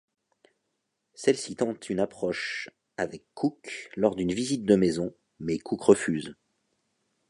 Celle-ci tente une approche avec Cook lors d'une visite de maison, mais Cook refuse.